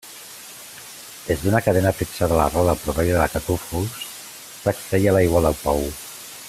Des d'una cadena fixada a la roda, proveïda de catúfols, s'extreia l'aigua del pou.